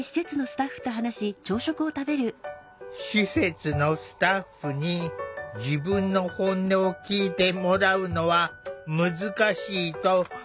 施設のスタッフに自分の本音を聴いてもらうのは難しいと感じてきた。